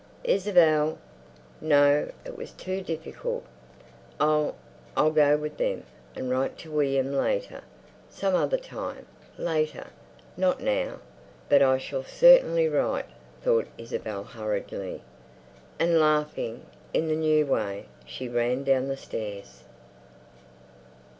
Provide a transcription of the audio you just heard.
"Isa bel?" No, it was too difficult. "I'll—I'll go with them, and write to William later. Some other time. Later. Not now. But I shall certainly write," thought Isabel hurriedly. And, laughing, in the new way, she ran down the stairs.